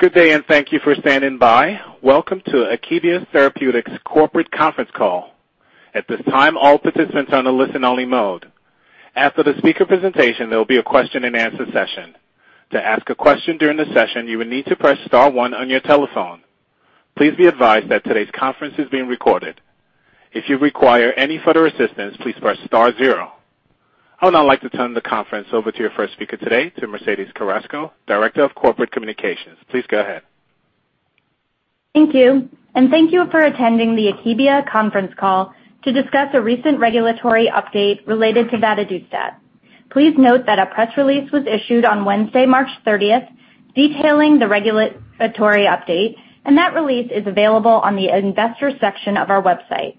Good day, and thank you for standing by. Welcome to Akebia Therapeutics Corporate Conference Call. At this time, all participants are on a listen-only mode. After the speaker presentation, there will be a question-and-answer session. To ask a question during the session, you will need to press star one on your telephone. Please be advised that today's conference is being recorded. If you require any further assistance, please press star zero. I would now like to turn the conference over to your first speaker today, to Mercedes Carrasco, Director of Corporate Communications. Please go ahead. Thank you, and thank you for attending the Akebia conference call to discuss a recent regulatory update related to vadadustat. Please note that a press release was issued on wednesday, March 30th, detailing the regulatory update, and that release is available on the investor section of our website.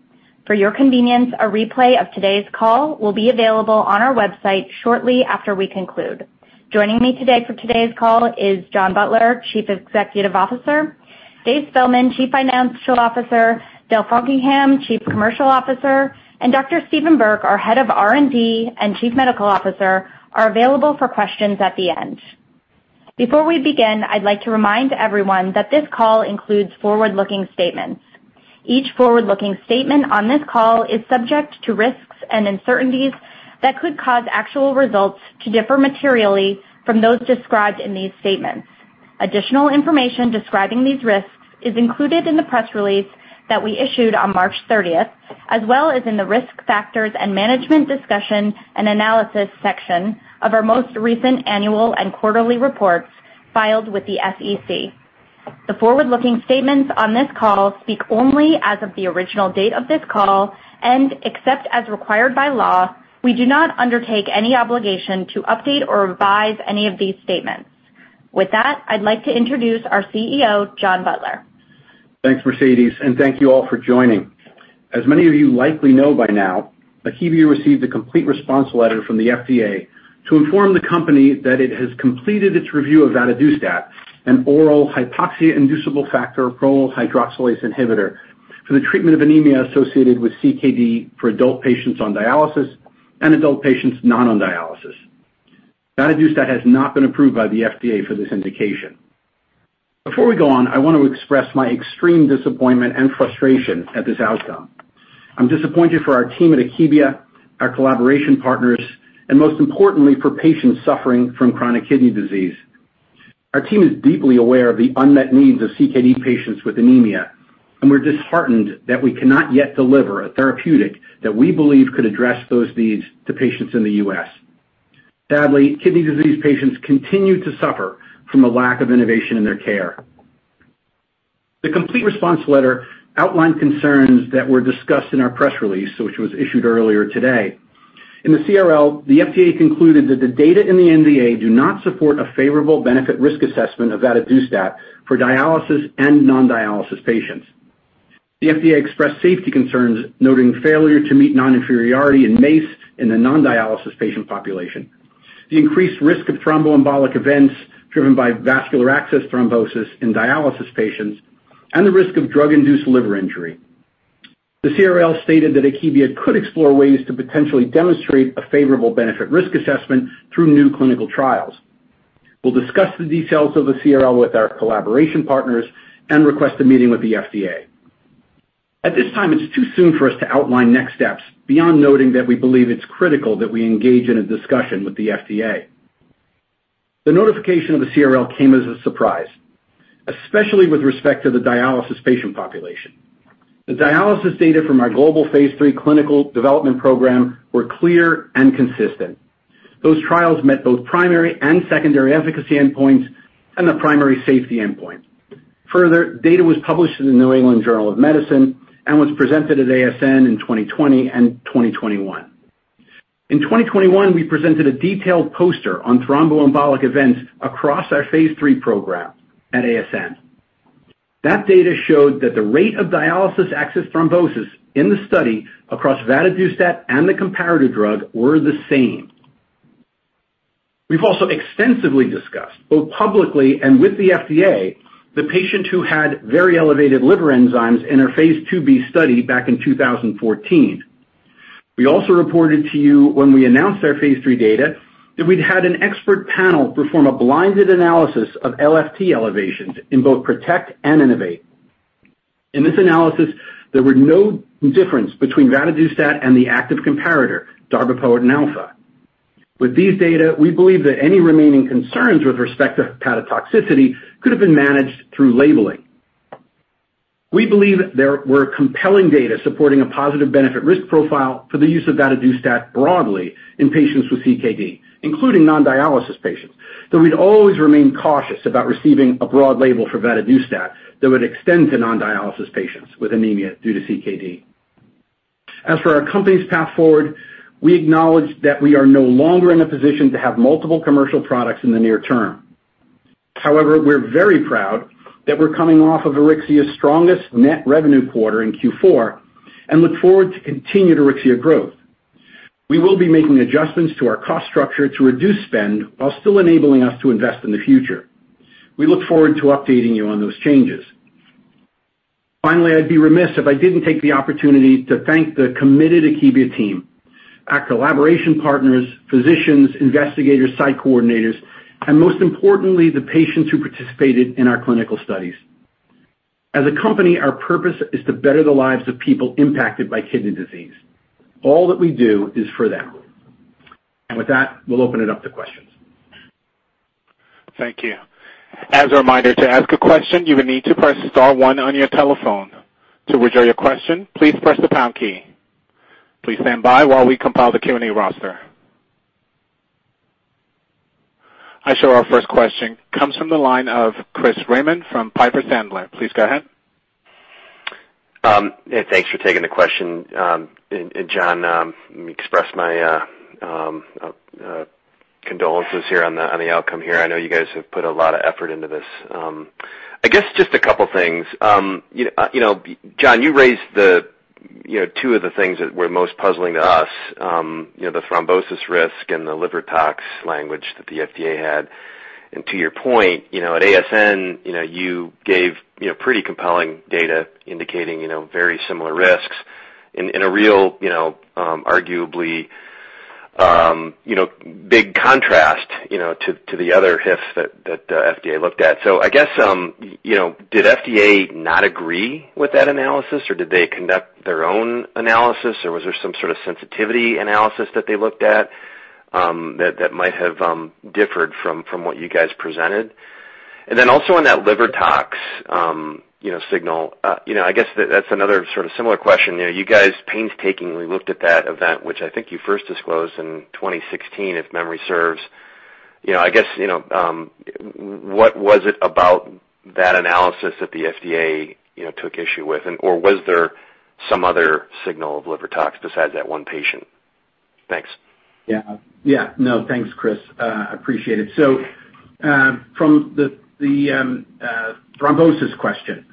For your convenience, a replay of today's call will be available on our website shortly after we conclude. Joining me today for today's call is John Butler, Chief Executive Officer, Dave Spellman, Chief Financial Officer, Dell Faulkingham, Chief Commercial Officer, and Dr. Steven Burke, our Head of R&D and Chief Medical Officer, are available for questions at the end. Before we begin, I'd like to remind everyone that this call includes forward-looking statements. Each forward-looking statement on this call is subject to risks and uncertainties that could cause actual results to differ materially from those described in these statements. Additional information describing these risks is included in the press release that we issued on March 30th, as well as in the Risk Factors and Management Discussion and Analysis section of our most recent annual and quarterly reports filed with the SEC. The forward-looking statements on this call speak only as of the original date of this call, and except as required by law, we do not undertake any obligation to update or revise any of these statements. With that, I'd like to introduce our CEO, John Butler. Thanks, Mercedes, and thank you all for joining. As many of you likely know by now, Akebia received a complete response letter from the FDA to inform the company that it has completed its review of vadadustat, an oral hypoxia-inducible factor prolyl hydroxylase inhibitor for the treatment of anemia associated with CKD for adult patients on dialysis and adult patients not on dialysis. Vadadustat has not been approved by the FDA for this indication. Before we go on, I want to express my extreme disappointment and frustration at this outcome. I'm disappointed for our team at Akebia, our collaboration partners, and most importantly, for patients suffering from chronic kidney disease. Our team is deeply aware of the unmet needs of CKD patients with anemia, and we're disheartened that we cannot yet deliver a therapeutic that we believe could address those needs to patients in the U.S. Sadly, kidney disease patients continue to suffer from a lack of innovation in their care. The complete response letter outlined concerns that were discussed in our press release, which was issued earlier today. In the CRL, the FDA concluded that the data in the NDA do not support a favorable benefit-risk assessment of vadadustat for dialysis and non-dialysis patients. The FDA expressed safety concerns noting failure to meet non-inferiority in MACE in the non-dialysis patient population, the increased risk of thromboembolic events driven by vascular access thrombosis in dialysis patients, and the risk of drug-induced liver injury. The CRL stated that Akebia could explore ways to potentially demonstrate a favorable benefit-risk assessment through new clinical trials. We'll discuss the details of the CRL with our collaboration partners and request a meeting with the FDA. At this time, it's too soon for us to outline next steps beyond noting that we believe it's critical that we engage in a discussion with the FDA. The notification of the CRL came as a surprise, especially with respect to the dialysis patient population. The dialysis data from our global phase III clinical development program were clear and consistent. Those trials met both primary and secondary efficacy endpoints and the primary safety endpoint. Further, data was published in the New England Journal of Medicine and was presented at ASN in 2020 and 2021. In 2021, we presented a detailed poster on thromboembolic events across our phase III program at ASN. That data showed that the rate of dialysis access thrombosis in the study across vadadustat and the comparative drug were the same. We've also extensively discussed, both publicly and with the FDA, the patient who had very elevated liver enzymes in our phase IIb study back in 2014. We also reported to you when we announced our phase III data that we'd had an expert panel perform a blinded analysis of LFT elevations in both PRO2TECT and INNO2VATE. In this analysis, there were no difference between vadadustat and the active comparator, darbepoetin alfa. With these data, we believe that any remaining concerns with respect to hepatotoxicity could have been managed through labeling. We believe there were compelling data supporting a positive benefit-risk profile for the use of vadadustat broadly in patients with CKD, including non-dialysis patients, though we'd always remain cautious about receiving a broad label for vadadustat that would extend to non-dialysis patients with anemia due to CKD. As for our company's path forward, we acknowledge that we are no longer in a position to have multiple commercial products in the near term. However, we're very proud that we're coming off of Auryxia's strongest net revenue quarter in Q4 and look forward to continued Auryxia growth. We will be making adjustments to our cost structure to reduce spend while still enabling us to invest in the future. We look forward to updating you on those changes. Finally, I'd be remiss if I didn't take the opportunity to thank the committed Akebia team, our collaboration partners, physicians, investigators, site coordinators, and most importantly, the patients who participated in our clinical studies. As a company, our purpose is to better the lives of people impacted by kidney disease. All that we do is for them. With that, we'll open it up to questions. Thank you. As a reminder, to ask a question, you will need to press star one on your telephone. To withdraw your question, please press the pound key. Please stand by while we compile the Q&A roster. I show our first question comes from the line of Chris Raymond from Piper Sandler. Please go ahead. Yeah, thanks for taking the question. John, I express my condolences here on the outcome here. I know you guys have put a lot of effort into this. I guess just a couple things. You know, John, you raised the two of the things that were most puzzling to us. You know, the thrombosis risk and the livertox language that the FDA had. To your point, you know, at ASN, you know, you gave pretty compelling data indicating very similar risks in a real, you know, arguably big contrast to the other HIFs that FDA looked at. I guess, you know, did FDA not agree with that analysis, or did they conduct their own analysis? Was there some sort of sensitivity analysis that they looked at, that might have differed from what you guys presented? Also on that livertox, you know, signal, you know, I guess that's another sort of similar question. You know, you guys painstakingly looked at that event, which I think you first disclosed in 2016, if memory serves. You know, I guess, you know, what was it about that analysis that the FDA, you know, took issue with? Or was there some other signal of liver tox besides that one patient? Thanks. Yeah. Yeah. No, thanks, Chris. Appreciate it. From the thrombosis question,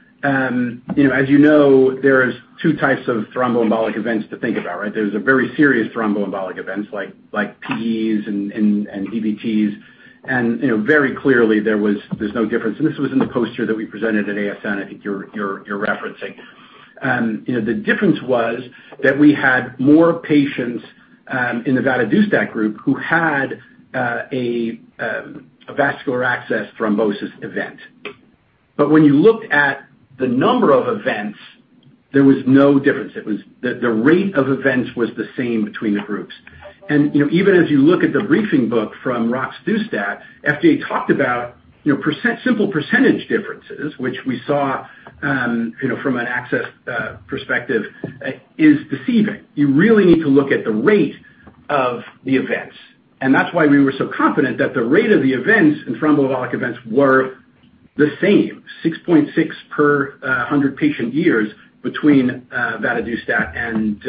you know, as you know, there's two types of thromboembolic events to think about, right? There's a very serious thromboembolic events like PEs and DVTs. You know, very clearly there's no difference. This was in the poster that we presented at ASN, I think you're referencing. You know, the difference was that we had more patients in the vadadustat group who had a vascular access thrombosis event. But when you looked at the number of events, there was no difference. The rate of events was the same between the groups. You know, even as you look at the briefing book from roxadustat, FDA talked about, you know, percent, simple percentage differences, which we saw, you know, from an access perspective, is deceiving. You really need to look at the rate of the events. That's why we were so confident that the rate of the events and thromboembolic events were the same, 6.6 per 100 patient years between vadadustat and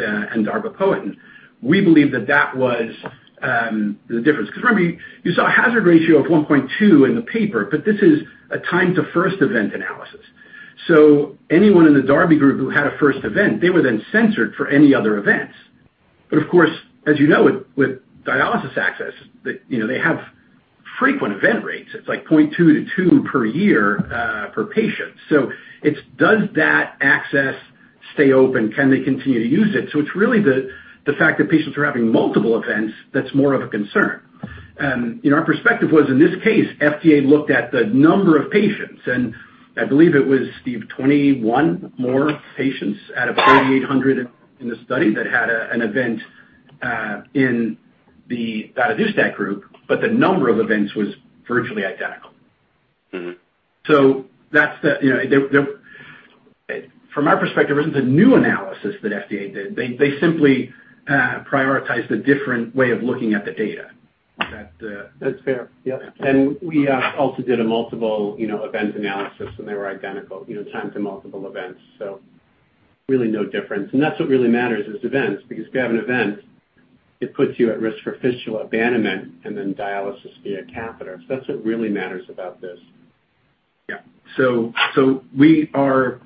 darbepoetin. We believe that was the difference. 'Cause remember, you saw a hazard ratio of 1.2 in the paper, but this is a time to first event analysis. Anyone in the darbepoetin group who had a first event, they were then censored for any other events. Of course, as you know, with dialysis access, you know, they have frequent event rates. It's like 0.2-2 per year per patient. Is it? Does that access stay open? Can they continue to use it? It's really the fact that patients are having multiple events that's more of a concern. You know, our perspective was, in this case, FDA looked at the number of patients, and I believe it was, Steve, 21 more patients out of 3,800 in the study that had an event in the vadadustat group, but the number of events was virtually identical. Mm-hmm. From our perspective, this is a new analysis that FDA did. They simply prioritized a different way of looking at the data that That's fair. Yep. We also did a multiple, you know, event analysis, and they were identical, you know, time to multiple events. Really no difference. That's what really matters, is events, because if you have an event, it puts you at risk for fistula abandonment and then dialysis via catheters. That's what really matters about this. Yeah. We are,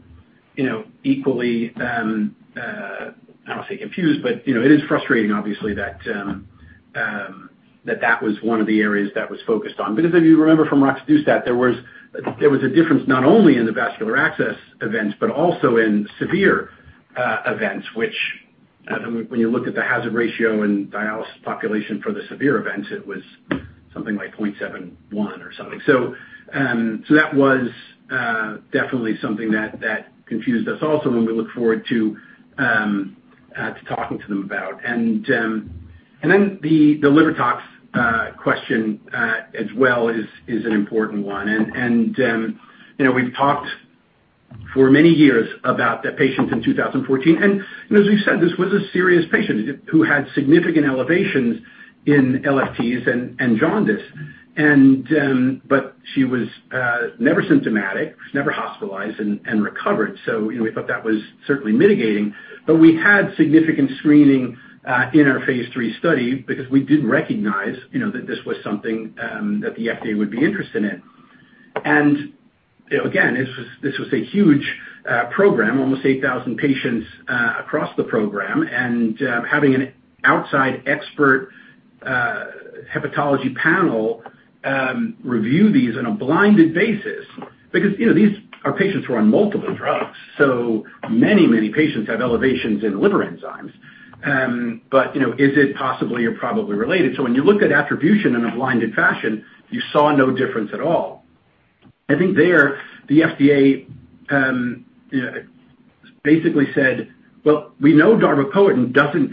you know, equally, I don't want to say confused, but, you know, it is frustrating obviously that that was one of the areas that was focused on. If any of you remember from roxadustat, there was a difference not only in the vascular access events, but also in severe events, which, when you look at the hazard ratio in dialysis population for the severe events, it was something like 0.71 or something. That was definitely something that confused us also when we look forward to talking to them about. Then the liver tox question as well is an important one. You know, we've talked for many years about the patient in 2014. you know, as we've said, this was a serious patient who had significant elevations in LFTs and jaundice. she was never symptomatic, was never hospitalized and recovered. you know, we thought that was certainly mitigating. we had significant screening in our phase III study because we did recognize, you know, that this was something that the FDA would be interested in. You know, again, this was a huge program, almost 8,000 patients across the program, having an outside expert hepatology panel review these in a blinded basis because, you know, these are patients who are on multiple drugs, so many patients have elevations in liver enzymes. You know, is it possibly or probably related? When you looked at attribution in a blinded fashion, you saw no difference at all. I think that the FDA basically said, "Well, we know darbepoetin alfa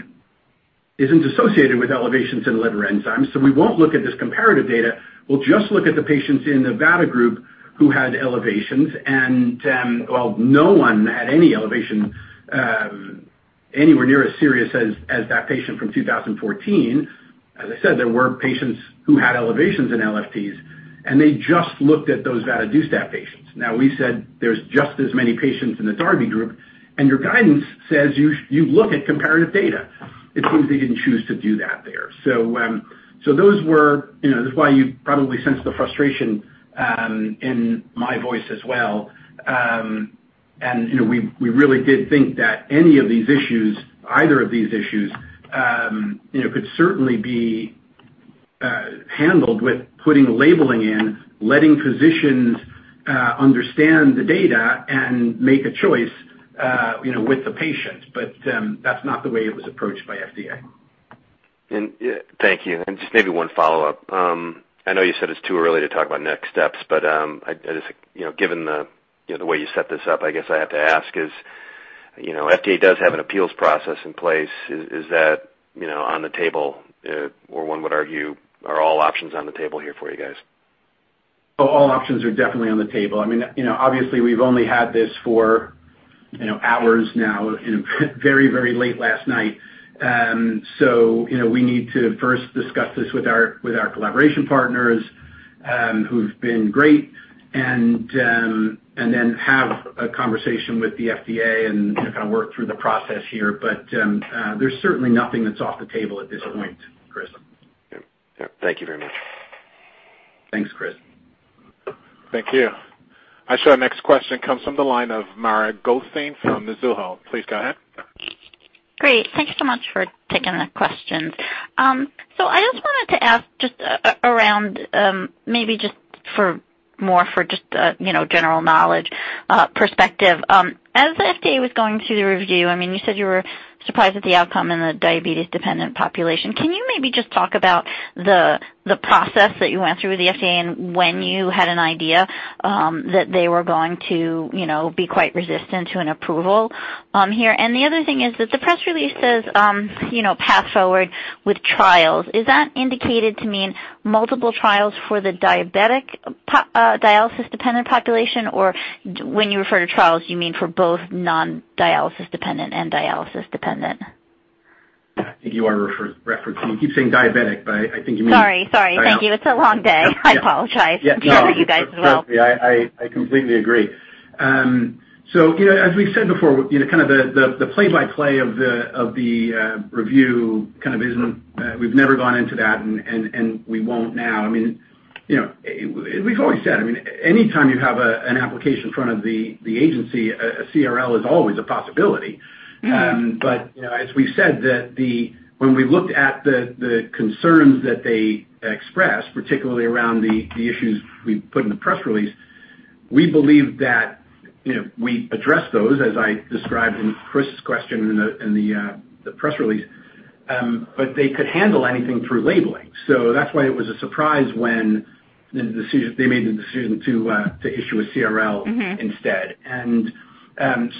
isn't associated with elevations in liver enzymes, so we won't look at this comparative data. We'll just look at the patients in the vadadustat group who had elevations." Well, no one had any elevation anywhere near as serious as that patient from 2014. As I said, there were patients who had elevations in LFTs, and they just looked at those vadadustat patients. Now, we said there's just as many patients in the darbepoetin group, and your guidance says you look at comparative data. It seems they didn't choose to do that there. Those were, you know, this is why you probably sense the frustration in my voice as well. You know, we really did think that any of these issues, either of these issues, you know, could certainly be handled with putting labeling in, letting physicians understand the data and make a choice, you know, with the patient. That's not the way it was approached by FDA. Thank you. Just maybe one follow-up. I know you said it's too early to talk about next steps, but I just, you know, given the, you know, the way you set this up, I guess I have to ask is, you know, FDA does have an appeals process in place. Is that, you know, on the table? Or one would argue, are all options on the table here for you guys? Oh, all options are definitely on the table. I mean, you know, obviously, we've only had this for, you know, hours now and very, very late last night. You know, we need to first discuss this with our collaboration partners, who've been great and then have a conversation with the FDA and, you know, kind of work through the process here. There's certainly nothing that's off the table at this point, Chris. Yeah. Thank you very much. Thanks, Chris. Thank you. I show our next question comes from the line of Mara Goldstein from Mizuho. Please go ahead. Great. Thank you so much for taking the questions. So I just wanted to ask just around, maybe just for more, you know, general knowledge perspective. As the FDA was going through the review, I mean, you said you were surprised at the outcome in the dialysis-dependent population. Can you maybe just talk about the process that you went through with the FDA and when you had an idea that they were going to, you know, be quite resistant to an approval here? And the other thing is that the press release says, you know, path forward with trials. Is that indicated to mean multiple trials for the dialysis-dependent population? Or when you refer to trials, you mean for both non-dialysis-dependent and dialysis-dependent? Yeah. I think you are referencing, you keep saying diabetic, but I think you mean- Sorry. Thank you. It's a long day. Yeah. I apologize. Yeah. No. I know you guys as well. Trust me, I completely agree. You know, as we've said before, you know, kind of the play-by-play of the review kind of isn't. We've never gone into that and we won't now. I mean, you know, we've always said, I mean, anytime you have an application in front of the agency, a CRL is always a possibility. Mm-hmm. You know, as we said that when we looked at the concerns that they expressed, particularly around the issues we put in the press release, we believed that, you know, we addressed those, as I described in Chris's question in the press release, but they could handle anything through labeling. That's why it was a surprise when they made the decision to issue a CRL. Mm-hmm. Instead.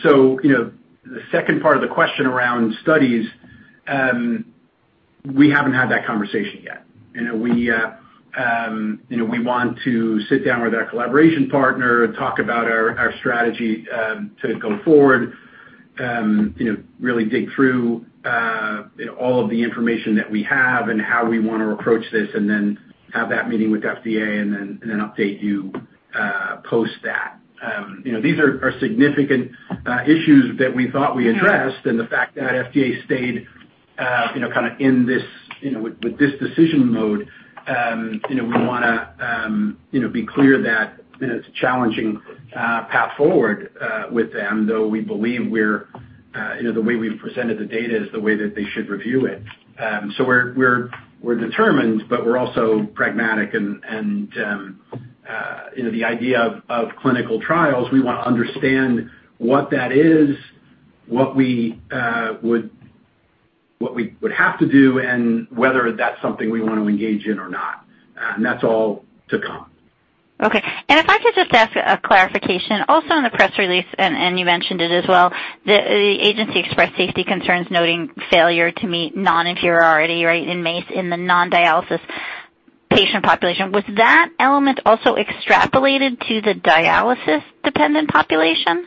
So, you know, the second part of the question around studies, we haven't had that conversation yet. You know, we want to sit down with our collaboration partner, talk about our strategy to go forward, you know, really dig through you know, all of the information that we have and how we wanna approach this, and then have that meeting with FDA and then update you post that. You know, these are significant issues that we thought we addressed. Yeah. The fact that FDA stayed, you know, kinda in this, you know, with this decision mode, you know, we wanna, you know, be clear that, you know, it's a challenging path forward with them, though we believe we're, you know, the way we've presented the data is the way that they should review it. So we're determined, but we're also pragmatic and, you know, the idea of clinical trials, we wanna understand what that is, what we would have to do and whether that's something we want to engage in or not. That's all to come. Okay. If I could just ask a clarification also on the press release, and you mentioned it as well, the agency expressed safety concerns noting failure to meet non-inferiority, right, in MACE in the non-dialysis patient population. Was that element also extrapolated to the dialysis-dependent population?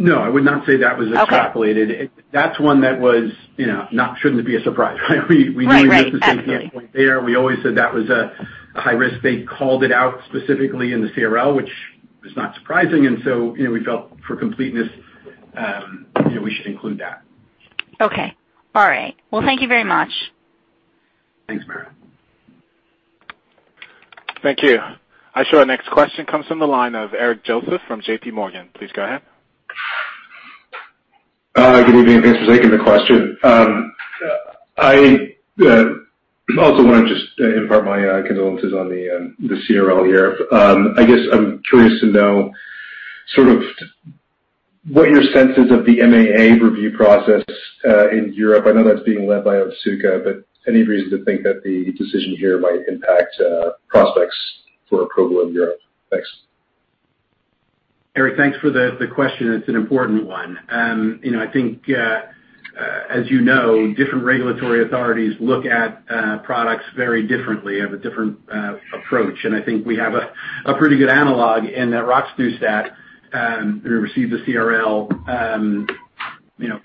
No, I would not say that was extrapolated. Okay. That's one that was, you know, shouldn't be a surprise, right? Right, right. Exactly. We knew we had the safety net point there. We always said that was a high risk. They called it out specifically in the CRL, which is not surprising. You know, we felt for completeness, you know, we should include that. Okay. All right. Well, thank you very much. Thanks, Mara. Thank you. Our next question comes from the line of Eric Joseph from JP Morgan. Please go ahead. Good evening. Thanks for taking the question. I also want to just impart my condolences on the CRL here. I guess I'm curious to know sort of what your sense is of the MAA review process in Europe. I know that's being led by Otsuka, but any reason to think that the decision here might impact prospects for approval in Europe? Thanks. Eric, thanks for the question. It's an important one. You know, I think, as you know, different regulatory authorities look at products very differently, have a different approach. I think we have a pretty good analog in that roxadustat received a CRL, you know,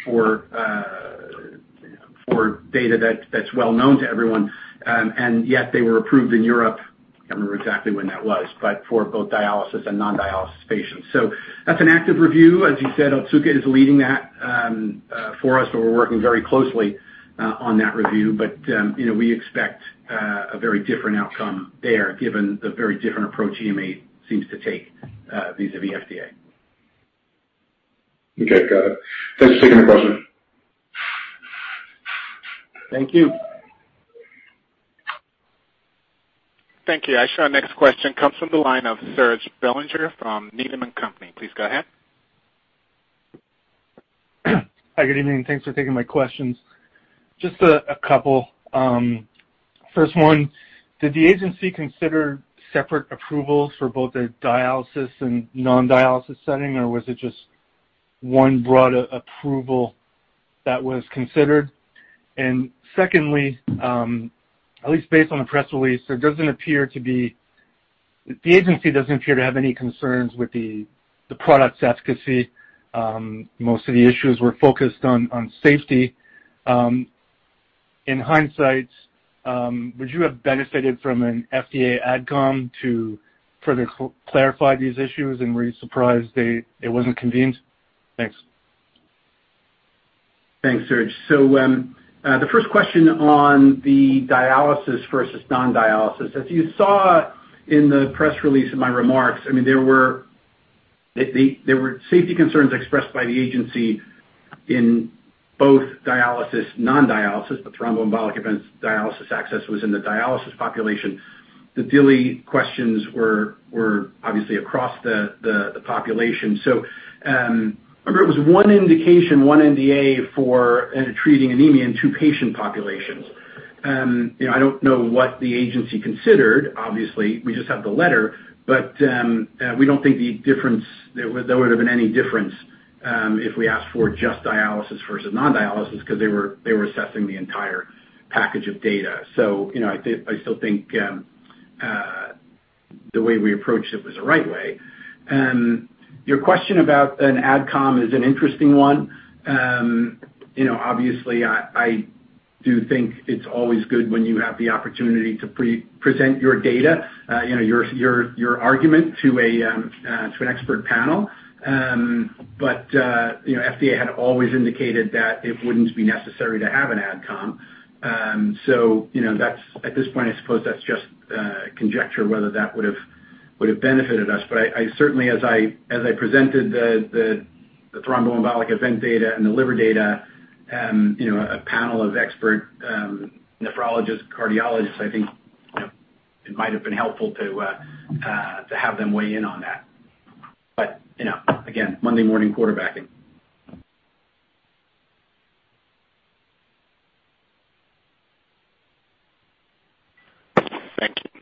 for data that's well known to everyone, and yet they were approved in Europe. I can't remember exactly when that was, but for both dialysis and non-dialysis patients. That's an active review. As you said, Otsuka is leading that for us, so we're working very closely on that review, but you know, we expect a very different outcome there, given the very different approach EMA seems to take vis-a-vis FDA. Okay, got it. Thanks for taking the question. Thank you. Thank you. Our next question comes from the line of Serge Belanger from Needham & Company. Please go ahead. Hi, good evening. Thanks for taking my questions. Just a couple. First, did the agency consider separate approvals for both a dialysis and non-dialysis setting, or was it just one broad approval that was considered? Second, at least based on the press release, the agency doesn't appear to have any concerns with the product's efficacy. Most of the issues were focused on safety. In hindsight, would you have benefited from an FDA AdCom to further clarify these issues, and were you surprised it wasn't convened? Thanks. Thanks, Serge. The first question on the dialysis versus non-dialysis. As you saw in the press release in my remarks, I mean, there were safety concerns expressed by the agency in both dialysis, non-dialysis, the thromboembolic events dialysis access was in the dialysis population. The DILI questions were obviously across the population. Remember, it was one indication, one NDA for treating anemia in two patient populations. You know, I don't know what the agency considered. Obviously, we just have the letter, but we don't think there would have been any difference if we asked for just dialysis versus non-dialysis because they were assessing the entire package of data. You know, I still think the way we approached it was the right way. Your question about an AdCom is an interesting one. You know, obviously, I do think it's always good when you have the opportunity to pre-present your data, you know, your argument to an expert panel. You know, FDA had always indicated that it wouldn't be necessary to have an AdCom. You know, that's at this point, I suppose that's just conjecture whether that would've benefited us. I certainly as I presented the thromboembolic event data and the liver data, you know, a panel of expert nephrologists, cardiologists, I think, you know, it might have been helpful to have them weigh in on that. You know, again, Monday morning quarterbacking. Thank you.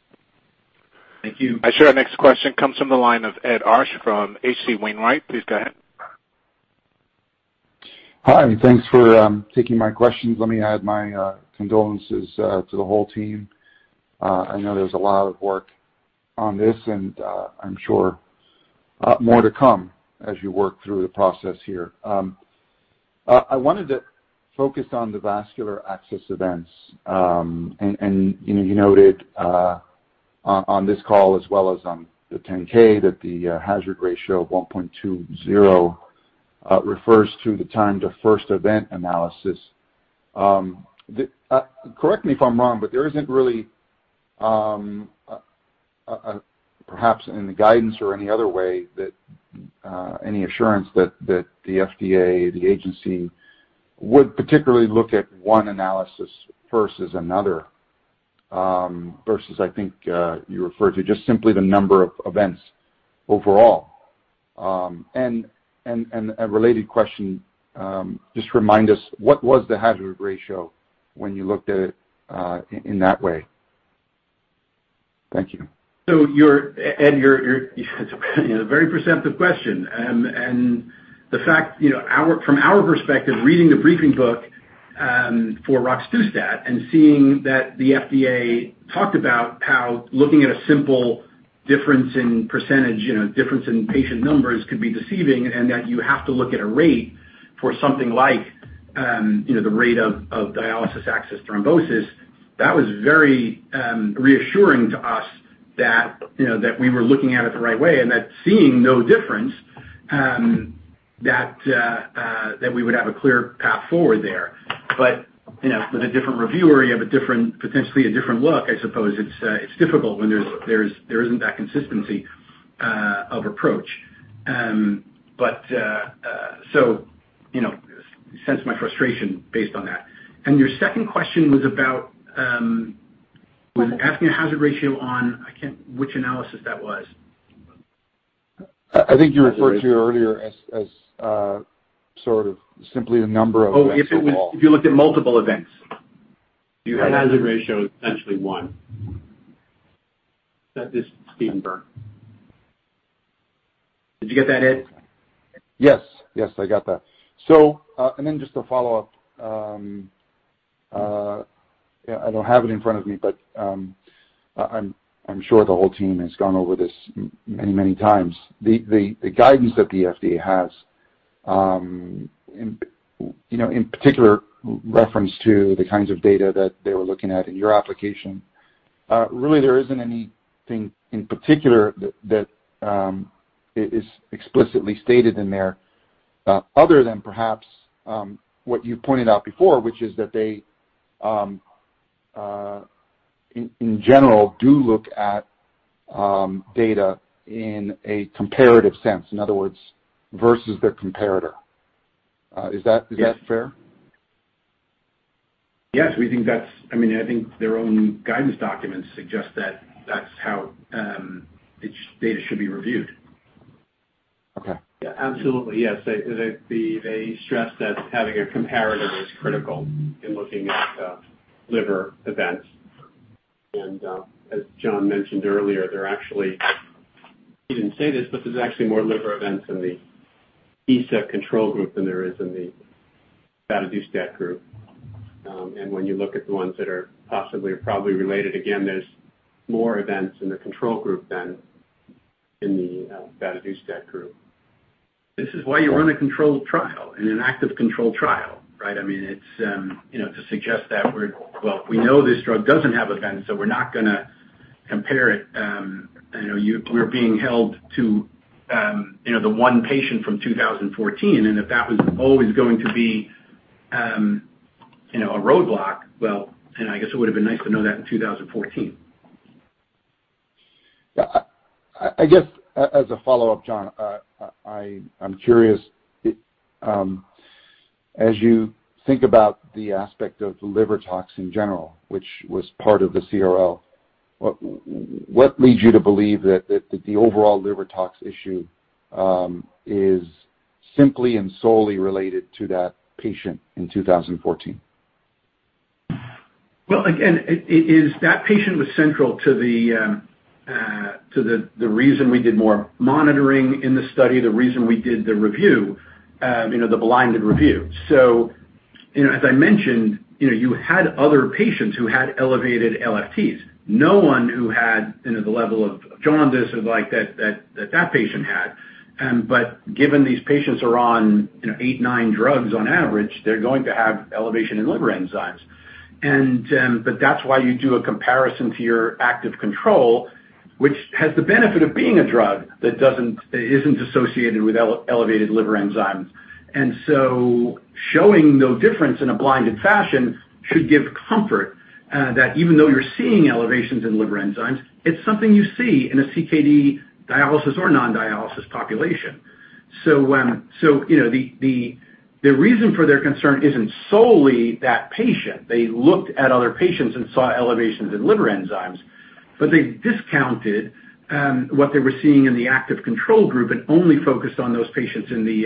Thank you. Our next question comes from the line of Ed Arce from H.C. Wainwright. Please go ahead. Hi, thanks for taking my questions. Let me add my condolences to the whole team. I know there's a lot of work on this, and I'm sure more to come as you work through the process here. I wanted to focus on the vascular access events, and you know, you noted on this call as well as on the 10-K that the hazard ratio of 1.20 refers to the time to first event analysis. Correct me if I'm wrong, but there isn't really a perhaps in the guidance or any other way that any assurance that the FDA, the agency would particularly look at one analysis versus another, versus, I think you referred to just simply the number of events overall. A related question, just remind us, what was the hazard ratio when you looked at it, in that way? Thank you. Ed, that's a very perceptive question. The fact, you know, from our perspective, reading the briefing book for roxadustat and seeing that the FDA talked about how looking at a simple difference in percentage, you know, difference in patient numbers could be deceiving and that you have to look at a rate for something like, you know, the rate of dialysis access thrombosis, that was very reassuring to us that, you know, that we were looking at it the right way, and that seeing no difference, that we would have a clear path forward there. You know, with a different reviewer, you have a different, potentially a different look. I suppose it's difficult when there isn't that consistency of approach. You know, sense my frustration based on that. Your second question was about Was it- was asking about the hazard ratio. I can't remember which analysis that was. I think you referred to it earlier as sort of simply the number of events overall. If you looked at multiple events. Right. Your hazard ratio is essentially one. This is Steven Burke. Did you get that, Ed? Yes. Yes, I got that. Just to follow up, yeah, I don't have it in front of me, but, I'm sure the whole team has gone over this many times. The guidance that the FDA has, you know, in particular reference to the kinds of data that they were looking at in your application, really there isn't anything in particular that is explicitly stated in there, other than perhaps what you pointed out before, which is that they, in general, do look at data in a comparative sense, in other words, versus their comparator. Is that- Yes. Is that fair? Yes. I mean, I think their own guidance documents suggest that that's how its data should be reviewed. Okay. Yeah, absolutely. Yes. They stress that having a comparative is critical in looking at liver events. As John mentioned earlier, he didn't say this, but there's actually more liver events in the ESA control group than there is in the vadadustat group. When you look at the ones that are possibly or probably related, again, there's more events in the control group than in the vadadustat group. This is why you run a controlled trial and an active control trial, right? I mean, it's, you know, to suggest that, well, we know this drug doesn't have events, so we're not gonna compare it. You know, we're being held to, you know, the one patient from 2014, and if that was always going to be, you know, a roadblock, well, then I guess it would have been nice to know that in 2014. Yeah. I guess as a follow-up, John, I'm curious as you think about the aspect of liver tox in general, which was part of the CRL, what leads you to believe that the overall livertox issue is simply and solely related to that patient in 2014? That patient was central to the reason we did more monitoring in the study, the reason we did the review, you know, the blinded review. You know, as I mentioned, you know, you had other patients who had elevated LFTs. No one who had, you know, the level of jaundice or like that patient had. But given these patients are on, you know, eight, nine drugs on average, they're going to have elevation in liver enzymes. But that's why you do a comparison to your active control, which has the benefit of being a drug that isn't associated with elevated liver enzymes. Showing no difference in a blinded fashion should give comfort that even though you're seeing elevations in liver enzymes, it's something you see in a CKD dialysis or non-dialysis population. You know, the reason for their concern isn't solely that patient. They looked at other patients and saw elevations in liver enzymes, but they discounted what they were seeing in the active control group and only focused on those patients in the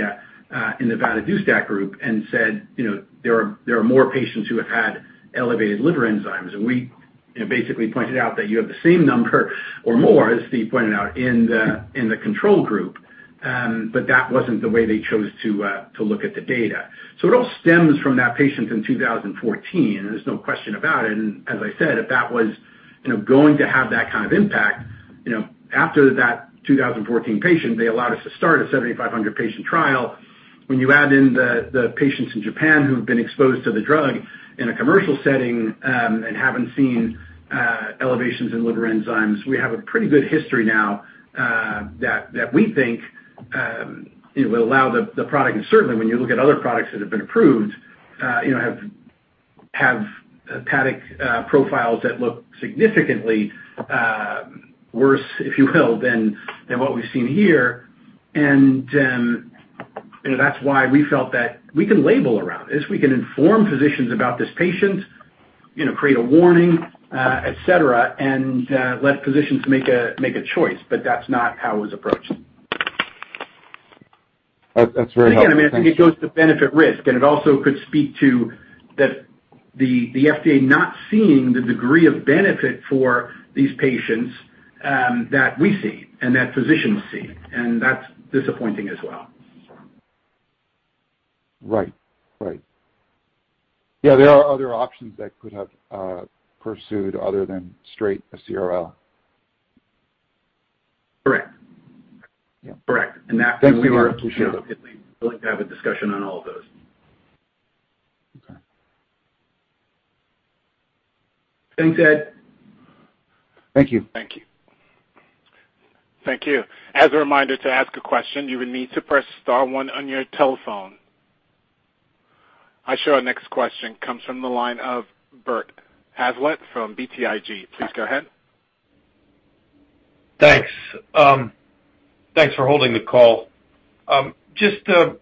vadadustat group and said, you know, there are more patients who have had elevated liver enzymes. We, you know, basically pointed out that you have the same number or more, as Steven pointed out, in the control group. That wasn't the way they chose to look at the data. It all stems from that patient in 2014, and there's no question about it. As I said, if that was, you know, going to have that kind of impact, you know, after that 2014 patient, they allowed us to start a 7,500 patient trial. When you add in the patients in Japan who have been exposed to the drug in a commercial setting and haven't seen elevations in liver enzymes, we have a pretty good history now that we think it will allow the product. Certainly, when you look at other products that have been approved, you know, have hepatic profiles that look significantly worse, if you will, than what we've seen here. You know, that's why we felt that we can label around this. We can inform physicians about this patient, you know, create a warning, etc., and let physicians make a choice. But that's not how it was approached. That's very helpful. Thank you. Again, I think it goes to benefit risk, and it also could speak to the FDA not seeing the degree of benefit for these patients that we see and that physicians see, and that's disappointing as well. Right. Yeah, there are other options that could have pursued other than straight a CRL. Correct. Yeah. Correct. Thank you. We appreciate it. Willing to have a discussion on all of those. Thanks, Ed. Thank you. Thank you. As a reminder to ask a question, you will need to press star one on your telephone. Our next question comes from the line of Bert Hazlett from BTIG. Please go ahead. Thanks. Thanks for holding the call. Just, I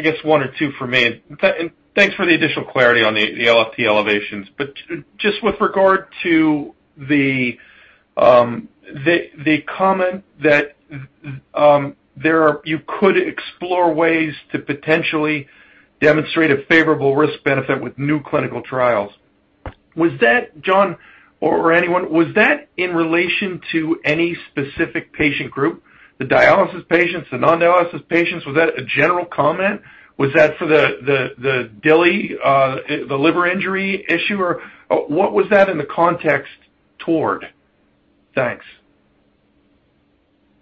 guess one or two for me. And thanks for the additional clarity on the LFT elevations. Just with regard to the comment that you could explore ways to potentially demonstrate a favorable risk benefit with new clinical trials. Was that John or anyone, was that in relation to any specific patient group, the dialysis patients, the non-dialysis patients? Was that a general comment? Was that for the DILI, the liver injury issue? Or what was that in the context toward? Thanks.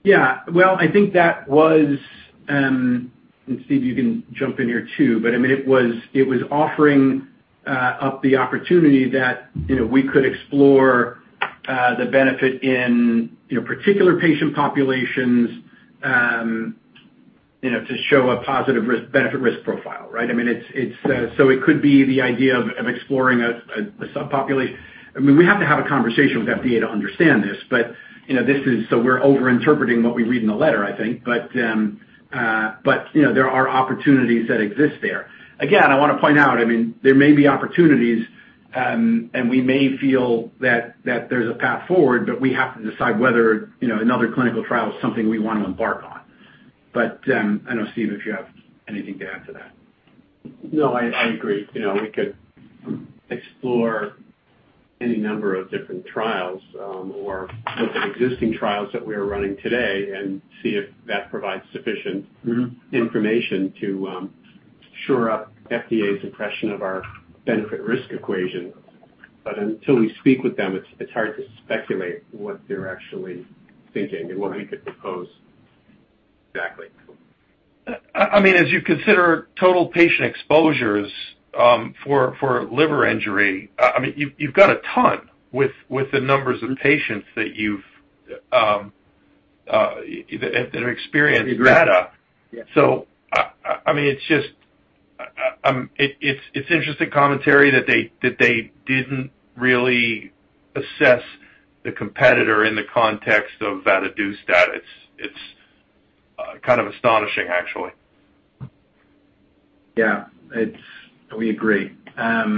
Yeah. Well, I think that was and Steve, you can jump in here too, but I mean, it was offering up the opportunity that, you know, we could explore the benefit in, you know, particular patient populations, you know, to show a positive risk-benefit profile, right? I mean, it's so it could be the idea of exploring a subpopulation. I mean, we have to have a conversation with FDA to understand this, but, you know, this is so we're overinterpreting what we read in the letter, I think. You know, there are opportunities that exist there. Again, I wanna point out, I mean, there may be opportunities, and we may feel that there's a path forward, but we have to decide whether, you know, another clinical trial is something we wanna embark on. I don't know, Steve, if you have anything to add to that. No, I agree. You know, we could explore any number of different trials, or look at existing trials that we are running today and see if that provides sufficient- Mm-hmm. Information to shore up FDA's impression of our benefit-risk equation. Until we speak with them, it's hard to speculate what they're actually thinking and what we could propose. Exactly. I mean, as you consider total patient exposures, for liver injury, I mean, you've got a ton with the numbers of patients that have experienced data. Agreed. Yeah. I mean, it's just interesting commentary that they didn't really assess the competitor in the context of that induced data. It's kind of astonishing, actually. Yeah. We agree. I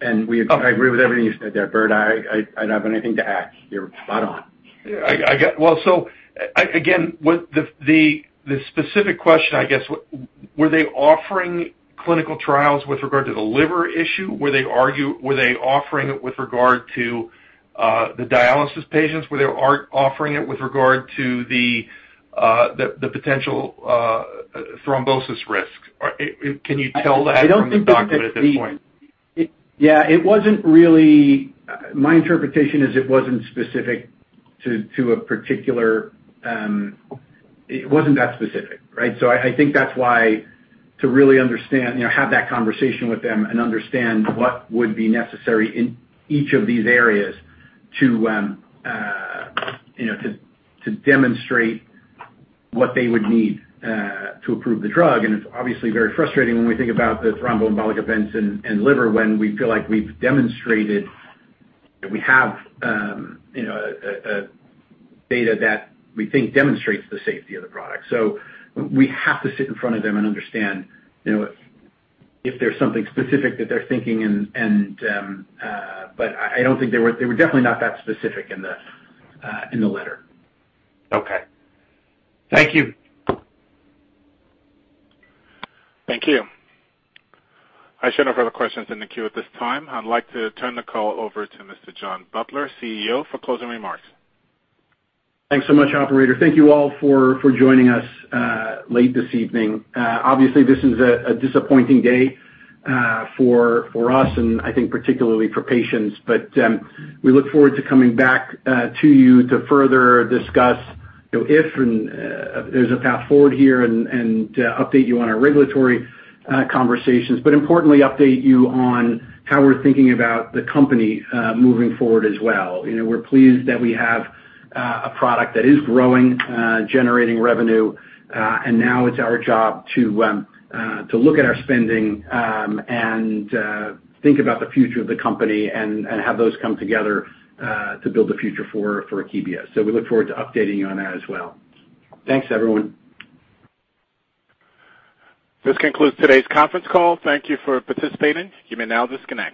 agree with everything you said there, Bert. I don't have anything to add. You're spot on. Yeah. I get. Well, so again, what the specific question, I guess, were they offering clinical trials with regard to the liver issue? Were they offering it with regard to the dialysis patients? Were they offering it with regard to the potential thrombosis risk? Or can you tell that from the document at this point? My interpretation is it wasn't specific to a particular, it wasn't that specific, right? So I think that's why to really understand, you know, have that conversation with them and understand what would be necessary in each of these areas to you know to demonstrate what they would need to approve the drug. It's obviously very frustrating when we think about the thromboembolic events and liver when we feel like we've demonstrated that we have a data that we think demonstrates the safety of the product. We have to sit in front of them and understand, you know, if there's something specific that they're thinking, but I don't think they were. They were definitely not that specific in the letter. Okay. Thank you. Thank you. I show no further questions in the queue at this time. I'd like to turn the call over to Mr. John Butler, CEO, for closing remarks. Thanks so much, operator. Thank you all for joining us late this evening. Obviously, this is a disappointing day for us and I think particularly for patients. We look forward to coming back to you to further discuss, you know, if and there's a path forward here and to update you on our regulatory conversations, but importantly, update you on how we're thinking about the company moving forward as well. You know, we're pleased that we have a product that is growing, generating revenue, and now it's our job to look at our spending and think about the future of the company and have those come together to build a future for Akebia. We look forward to updating you on that as well. Thanks, everyone. This concludes today's conference call. Thank you for participating. You may now disconnect.